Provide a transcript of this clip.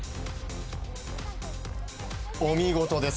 お見事です。